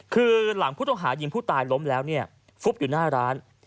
คือหลังผู้ต้องหายิงผู้ตายล้มแล้วเนี่ยฟุบอยู่หน้าร้าน